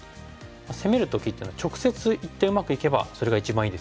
攻める時っていうのは直接いってうまくいけばそれが一番いいですよね。